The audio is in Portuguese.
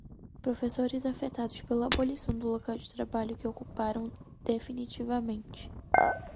Professores afetados pela abolição do local de trabalho que ocuparam definitivamente.